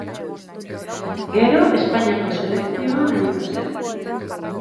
Gero, Espainiako selekzioan aritu zen.